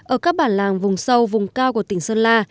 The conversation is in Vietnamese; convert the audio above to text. ở các bản làng vùng sâu vùng cao của tỉnh sơn la